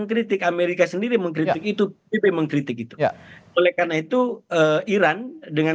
kritik amerika sendiri mengkritik itu pp mengkritik itu oleh karena itu iran dengan